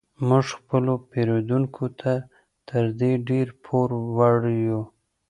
موږ خپلو پیرودونکو ته تر دې ډیر پور وړ یو